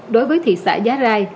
đối với thị xã giá rai